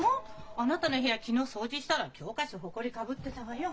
あなたの部屋昨日掃除したら教科書ホコリかぶってたわよ。